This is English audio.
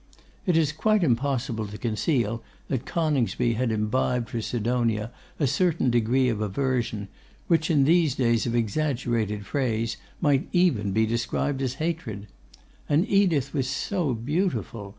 It is quite impossible to conceal that Coningsby had imbibed for Sidonia a certain degree of aversion, which, in these days of exaggerated phrase, might even be described as hatred. And Edith was so beautiful!